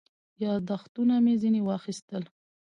یاداښتونه مې ځنې واخیستل.